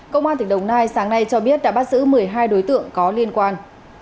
công an tỉnh đồng nai sáng nay cho biết đã bắt giữ một mươi hai đối tượng có liên quan